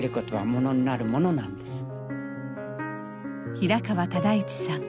平川唯一さん。